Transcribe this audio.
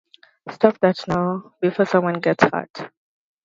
Stop that now, before someone gets hurt!